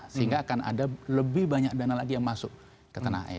sehingga akan ada lebih banyak dana lagi yang masuk ke tanah air